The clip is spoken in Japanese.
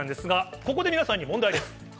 ここで皆さんに問題です。